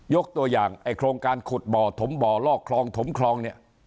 ยกตัวอย่างไอ้โครงการขุดบ่อถมบ่อลอกคลองถมคลองเนี่ย